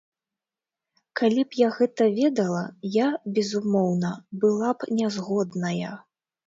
Калі б я гэта ведала, я, безумоўна, была б нязгодная.